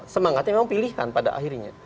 semangatnya memang pilihkan pada akhirnya